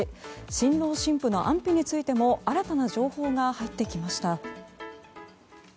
新郎新婦の安否についても新たな情報が入ってきました。